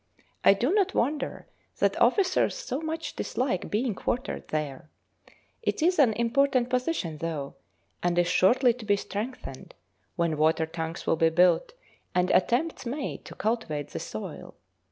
I do not wonder that officers so much dislike being quartered there. It is an important position though, and is shortly to be strengthened, when water tanks will be built, and attempts made to cultivate the soil.